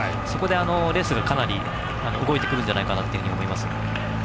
そこでレースがかなり動いてくるんじゃないかと思います。